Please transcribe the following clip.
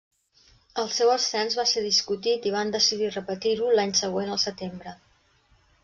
El seu ascens va ser discutit i van decidir repetir-ho l'any següent al setembre.